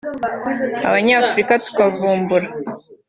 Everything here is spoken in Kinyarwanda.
Abanyafurika tukavumbura